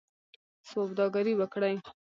سوداګري وکړئ